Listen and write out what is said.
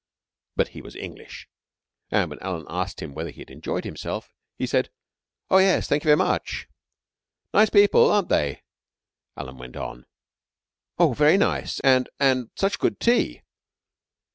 But he was English, and when Alan asked him whether he had enjoyed himself, he said: "Oh, yes. Thank you very much." "Nice people, aren't they?" Alan went on. "Oh, very nice. And and such good tea."